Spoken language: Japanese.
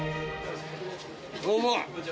どうも。